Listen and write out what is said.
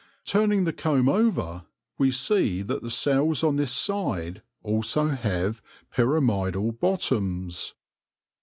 Turning the comb over, we see that the cells on this side also have pyramidal bottoms.